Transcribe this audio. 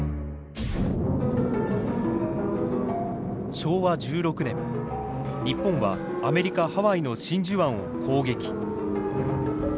昭和１６年日本はアメリカ・ハワイの真珠湾を攻撃。